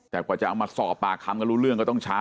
แต่กว่าจะเอามาสอบปากคำกันรู้เรื่องก็ต้องช้า